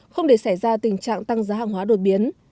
không để xảy ra tình trạng tăng giá hàng hóa đột biến